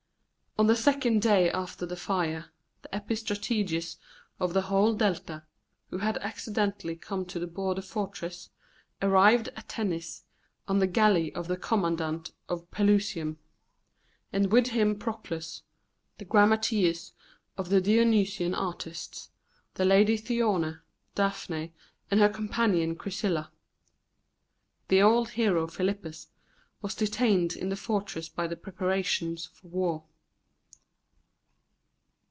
On the second day after the fire, the epistrategus of the whole Delta, who had accidentally come to the border fortress, arrived at Tennis on the galley of the commandant of Pelusium, and with him Proclus, the grammateus of the Dionysian artists, the Lady Thyone, Daphne, and her companion Chrysilla. The old hero Philippus was detained in the fortress by the preparations for war.